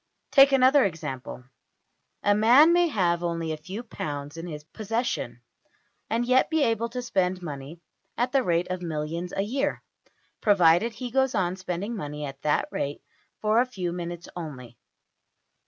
Take another example. A man may have only a few pounds in his possession, and yet be able to spend money at the rate of millions a year provided he goes on spending money at that rate for a few minutes only.